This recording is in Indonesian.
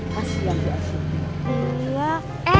kasian dia asli